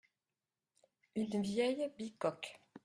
Une vieille bicoque.